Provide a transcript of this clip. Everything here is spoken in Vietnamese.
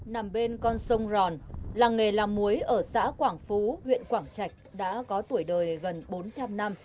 nằm bên con sông ròn làng nghề làm muối ở xã quảng phú huyện quảng trạch đã có tuổi đời gần bốn trăm linh năm